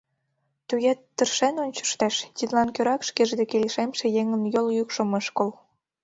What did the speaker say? Туге тыршен ончыштеш, тидлан кӧрак шкеж деке лишемше еҥын йол йӱкшым ыш кол.